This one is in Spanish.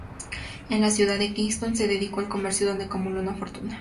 En la ciudad de Kingston se dedicó al comercio donde acumuló una fortuna.